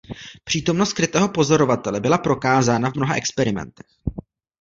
Přítomnost skrytého pozorovatele byla prokázána v mnoha experimentech.